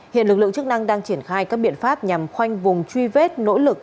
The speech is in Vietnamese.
hiện lực lượng chức năng đang triển khai các biện pháp nhằm khoanh vùng truy vết nỗ lực